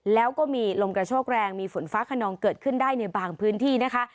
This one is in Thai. แล้วก็มีลมกระโชกแรงมีฝนฟ้าขนองเกิดขึ้นได้ในบางพื้นที่นะคะ